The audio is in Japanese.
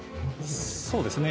そうですね